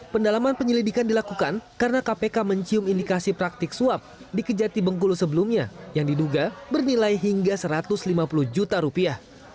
pendalaman penyelidikan dilakukan karena kpk mencium indikasi praktik suap di kejati bengkulu sebelumnya yang diduga bernilai hingga satu ratus lima puluh juta rupiah